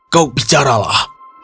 kau bicara lah